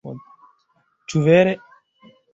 Ĉu vere?...